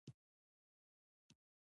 د دربار ساتونکو ټوله کیسه هارون ته وکړه.